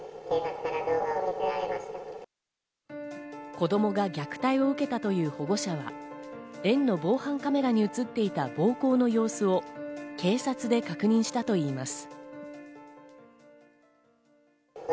子供が虐待を受けたという保護者は、園の防犯カメラに映っていた暴行の様子を警察で確認したといいます。